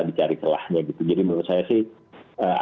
dicari celah jadi menurut saya sih